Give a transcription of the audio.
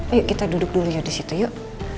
ayo kita duduk dulu ya di situ yuk